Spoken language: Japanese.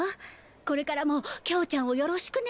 これからも京ちゃんをよろしくね。